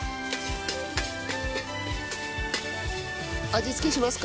味付けしますか？